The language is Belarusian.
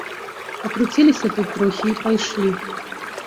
Пакруціліся тут трохі і пайшлі.